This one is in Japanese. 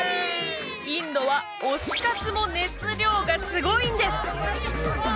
インドは推し活も熱量がすごいんです